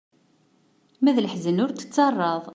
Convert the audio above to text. Ma d leḥzen ur tettaraḍ.